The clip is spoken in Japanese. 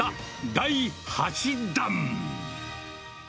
第８弾。